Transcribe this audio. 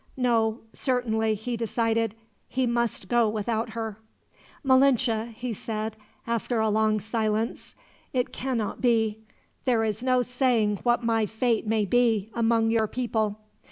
No; certainly, he decided, he must go without her. "Malinche," he said, after a long silence, "it cannot be. There is no saying what my fate may be, among your people.